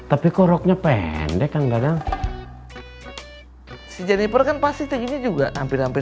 waduh tapi koroknya pendek kang dadang si janiper kan pasti kayak gini juga hampir hampir